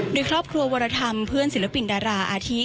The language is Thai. โดยครอบครัววรธรรมเพื่อนศิลปินดาราอาทิ